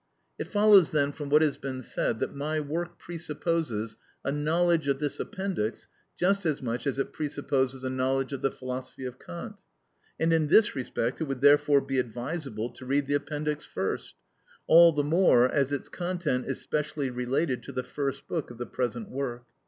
It follows then, from what has been said, that my work presupposes a knowledge of this appendix just as much as it presupposes a knowledge of the philosophy of Kant; and in this respect it would therefore be advisable to read the appendix first, all the more as its content is specially related to the first book of the present work.